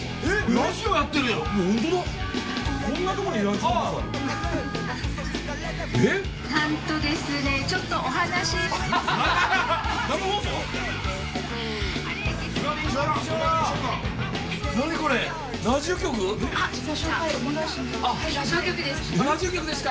ラジオ局です。